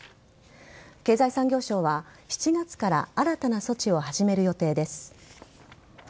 経済産業省は７月から新たな措置を始める予定です。